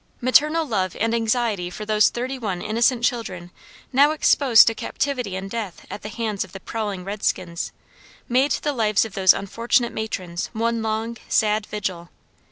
Maternal love and anxiety for those thirty one innocent children now exposed to captivity and death at the hands of the prowling redskins, made the lives of those unfortunate matrons one long, sad vigil.